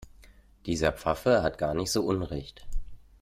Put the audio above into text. Dieser Pfaffe hat gar nicht so Unrecht.